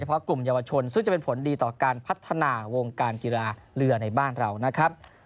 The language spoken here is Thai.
เพราะกลุ่มเยาวชนซึ่งจะเป็นผลดีต่อการพัฒนาวงการกีฬาเรือในบ้านเรานะครับ